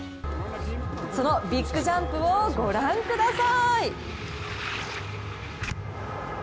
そのビッグジャンプをご覧ください。